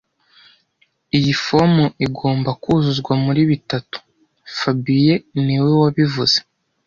Iyi fomu igomba kuzuzwa muri bitatu fabien niwe wabivuze